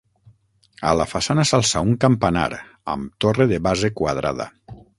A la façana s'alça un campanar, amb torre de base quadrada.